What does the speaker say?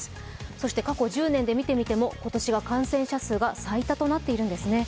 そして過去１０年で見てみても今年が感染者数が最高となっているんですね。